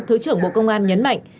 thứ trưởng bộ công an nhấn mạnh